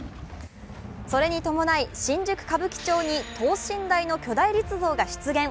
それに伴い、新宿歌舞伎町に等身大の巨大立像が出現。